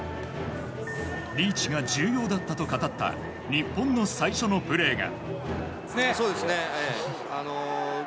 リーチが重要だったと語った日本の最初のプレーが。